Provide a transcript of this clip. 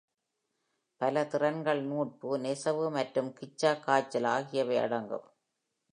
பிற திறன்கள் நூற்பு, நெசவு மற்றும் சிச்சா காய்ச்சல் ஆகியவை அடங்கும்.